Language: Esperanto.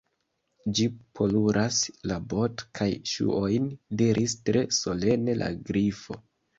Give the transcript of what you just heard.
"Ĝi poluras la bot-kaj ŝuojn," diris tre solene la Grifo.